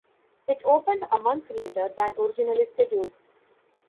It opened a month later than originally scheduled.